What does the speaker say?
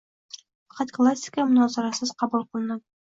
Faqat klassika munozarasiz qabul qilinadi